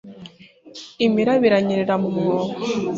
Imiraba iranyerera mu mwobo